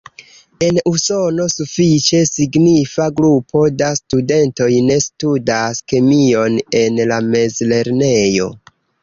En Usono, sufiĉe signifa grupo da studentoj ne studas kemion en la mezlernejo.